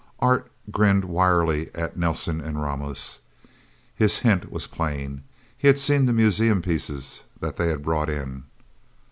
Art grinned wryly at Nelsen and Ramos. His hint was plain. He had seen the museum pieces that they had brought in.